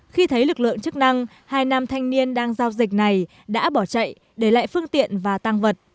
khi thấy lực lượng chức năng hai nam thanh niên đang giao dịch này đã bỏ chạy để lại phương tiện và tăng vật